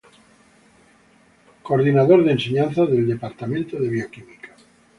Coordinador de Enseñanza del Departamento de Bioquímica.